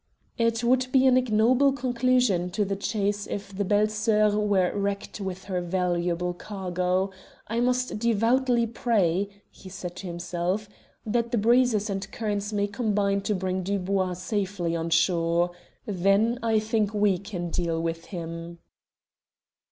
"It would be an ignoble conclusion to the chase if the Belles Soeurs were wrecked with her valuable cargo. I most devoutly pray," he said to himself, "that the breezes and currents may combine to bring Dubois safely on shore. Then I think we can deal with him."